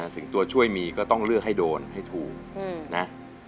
ถึงตัวช่วยมีก็ต้องเลือกให้โดนให้ถูกนะ